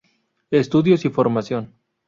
Estudios y formación.